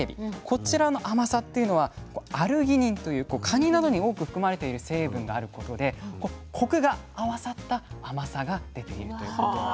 こちらの甘さっていうのはアルギニンというカニなどに多く含まれている成分があることでコクが合わさった甘さが出ているということなんですね。